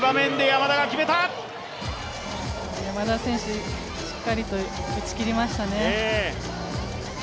山田選手、しっかりと打ち切りましたね。